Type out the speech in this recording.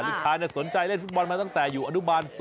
สุดท้ายสนใจเล่นฟุตบอลมาตั้งแต่อยู่อนุบาล๓